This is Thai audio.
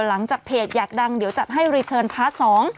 หลังจากเพจอยากดังเดี๋ยวจัดให้รีเทิร์นพาร์ทสอง